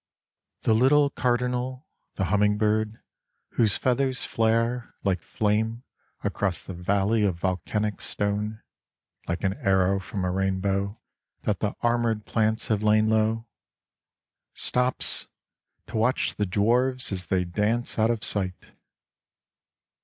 5 The little Cardinal, the humming bird, whose feathers flare Like flame across the valley of volcanic stone. Like an arrow from a rainbow That the armoured plants have lain low, Stops to watch the dwarves as they dance out of sight.